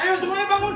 iya gue bangun